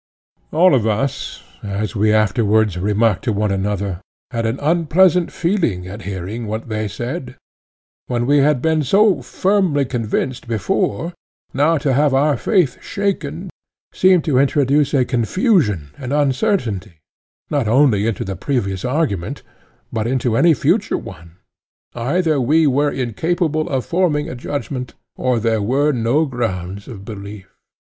All of us, as we afterwards remarked to one another, had an unpleasant feeling at hearing what they said. When we had been so firmly convinced before, now to have our faith shaken seemed to introduce a confusion and uncertainty, not only into the previous argument, but into any future one; either we were incapable of forming a judgment, or there were no grounds of belief.